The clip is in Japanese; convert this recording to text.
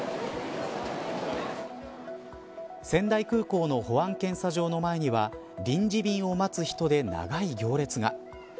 仙台空港の保安検査場の前には臨時便を待つ人で長い行列が。